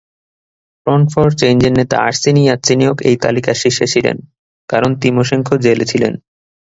Front for চেঞ্জের নেতা Arseniy Yatsenyuk এই তালিকার শীর্ষে ছিলেন, কারণ তিমোশেঙ্কো জেলে ছিলেন।